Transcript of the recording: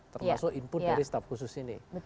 termasuk input dari staff khusus ini